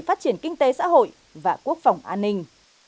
phát triển kinh tế xã hội và quốc phòng an ninh